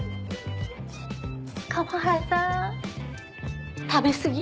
加茂原さん食べ過ぎ。